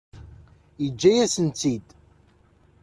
Yeǧǧa-yasent-tt-id.